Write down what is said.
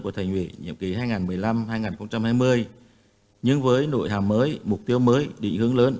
của thành ủy nhiệm kỳ hai nghìn một mươi năm hai nghìn hai mươi nhưng với nội hàm mới mục tiêu mới định hướng lớn